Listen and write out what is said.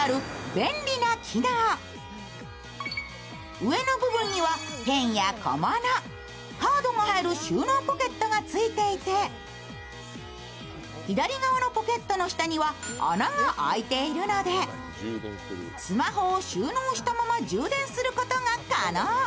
上の部分にはペンや小物、カードが入る収納ポケットが付いていて左側のポケットの下には穴が開いているので、スマホを収納したまま充電することが可能。